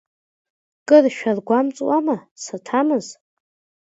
Кыр шәаргәамҵуама, саҭамыз?